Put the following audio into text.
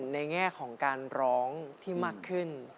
แง่ของการร้องที่มากขึ้น